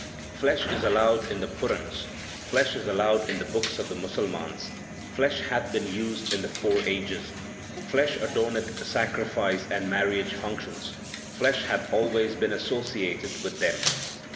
Flesh is allowed in the Purans, flesh is allowed in the books of the Musalmans, flesh hath been used in the four ages. Flesh adorneth sacrifice and marriage functions ; flesh hath always been associated with them.